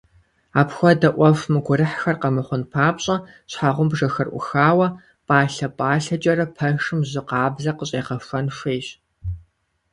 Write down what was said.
Апхуэдэ Ӏуэху мыгурыхьхэр къэмыхъун папщӀэ, щхьэгъубжэхэр Ӏухауэ, пӀалъэ-пӀалъэкӀэрэ пэшым жьы къабзэ къыщӀегъэхуэн хуейщ.